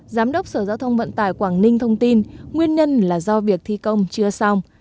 giám đốc sở giao thông vận tải quảng ninh thông tin nguyên nhân là do việc thi công chưa xong